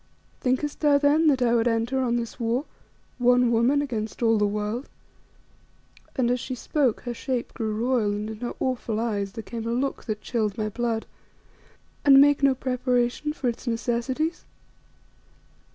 Thinkest thou then that I would enter on this war one woman against all the world" and as she spoke her shape grew royal and in her awful eyes there came a look that chilled my blood "and make no preparation for its necessities?